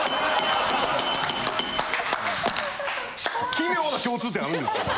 奇妙な共通点あるんですよね。